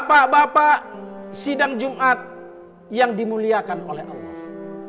bapak bapak sidang jumat yang dimuliakan oleh allah